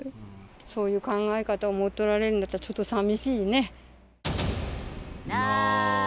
そういう考え方を持っておられるんだったら、ちょっと寂しいね。